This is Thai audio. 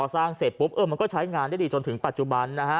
สร้างเสร็จปุ๊บมันก็ใช้งานได้ดีจนถึงปัจจุบันนะฮะ